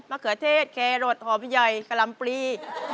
มะเขือเทศเครดหอมพ่อพี่ใหญ่กะลำปลี